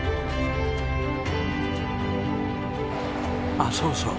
あっそうそう。